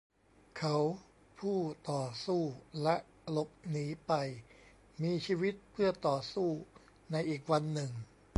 เขาผู้ต่อสู้และหลบหนีไป มีชีวิตเพื่อต่อสู้ในอีกวันหนึ่ง